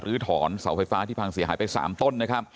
ลื้อถอนสาวไฟฟ้าทหายไป๓ต้น